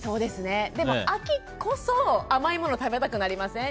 でも秋こそ甘いもの食べたくなりません？